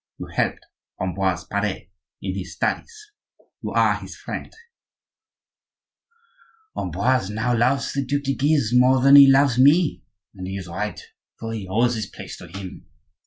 You helped Ambroise Pare in his studies, you are his friend—" "Ambroise now loves the Duc de Guise more than he loves me; and he is right, for he owes his place to him.